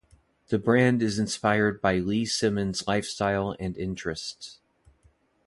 The brand is inspired by Lee Simmon's lifestyle and interests.